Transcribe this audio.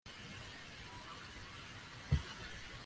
Amavubi yatombowe mu itsinda H na Cote d’Ivoire